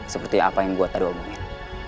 seperti yang apa yang gue tadi omongin